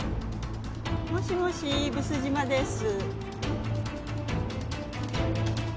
もしもし毒島です。